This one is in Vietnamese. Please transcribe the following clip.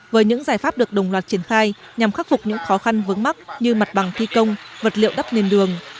với những giải pháp được đồng loạt triển khai nhằm khắc phục những khó khăn vướng mắt như mặt bằng thi công vật liệu đắp nền đường